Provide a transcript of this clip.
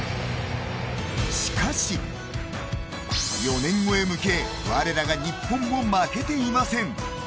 しかし、４年後へ向け我らが日本も負けていません。